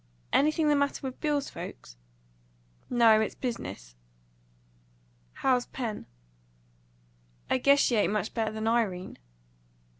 "Anything the matter with Bill's folks?" "No. It's business." "How's Pen?" "I guess she ain't much better than Irene."